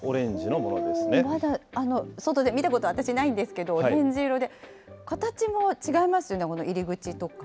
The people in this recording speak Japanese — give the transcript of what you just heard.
まだ、外で見たこと、私、ないんですけど、オレンジ色で、形も違いますよね、入り口とか。